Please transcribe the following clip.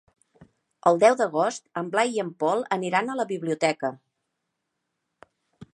El deu d'agost en Blai i en Pol aniran a la biblioteca.